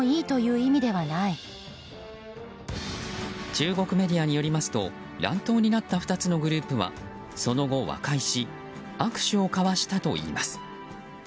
中国メディアによりますと乱闘になった２つのグループはその後、和解し握手を交わしたといいます。